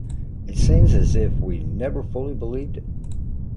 It seems as if we never fully believed it.